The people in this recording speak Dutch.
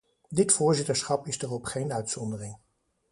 Dit voorzitterschap is daarop geen uitzondering.